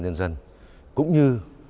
nhân dân cũng như